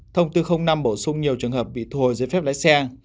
thông tư năm bổ sung nhiều trường hợp bị thu hồi giấy phép lái xe